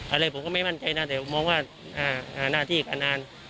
อะไรผมก็ไม่มั่นใจนะแต่ผมมองว่าหาหน้าที่กันนาน